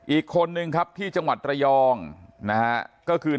อีกคนนึงครับที่จังหวัดระยองนะฮะก็คือ